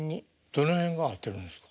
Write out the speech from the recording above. どの辺が合ってるんですか？